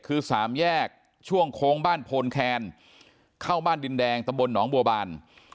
คือสามแยกช่วงโค้งบ้านโพนแคนเข้าบ้านดินแดงตะบลหนองบัวบาน